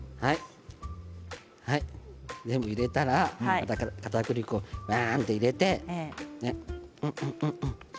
全部入れたらかたくり粉をばーんと入れて。